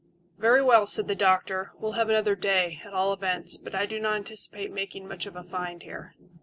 "Very well," said the doctor; "we'll have another day, at all events; but I do not anticipate making much of a find here."